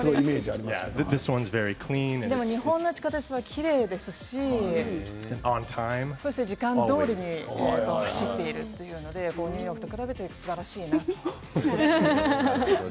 でも日本の地下鉄はきれいですし時間どおりに走っているというのでニューヨークと比べてすばらしいなと。